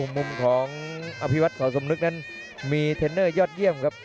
มุมของอภิวัตสสมนึกนั้นมีเทรนเนอร์ยอดเยี่ยมครับ